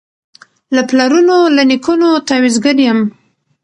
له پلرونو له نیکونو تعویذګر یم